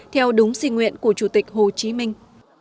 theo đúng sinh nguyện của chủ tịch hồ chí minh